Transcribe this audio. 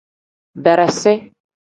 Beresi.